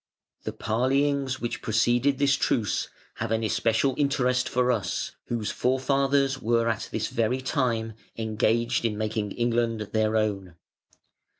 The parleyings which preceded this truce have an especial interest for us, whose forefathers were at this very time engaged in making England their own.